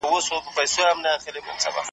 كه دوږخ مو وي مطلب د دې خاكيانو .